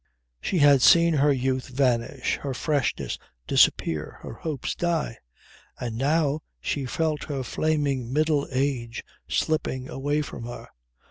She had seen her youth vanish, her freshness disappear, her hopes die, and now she felt her flaming middle age slipping away from her.